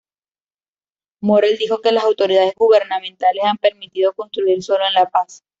Morel, dijo que las autoridades gubernamentales han permitido construir solo en La Paz.